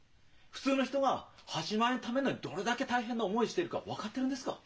普通の人が８万円ためるのにどれだけ大変な思いしてるか分かってるんですか？